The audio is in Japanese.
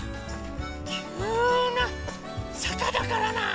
きゅうなさかだからな。